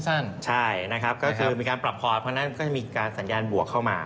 ใช่นะครับก็คือมีการปรับพอร์ตเพราะฉะนั้นก็จะมีการสัญญาณบวกเข้ามา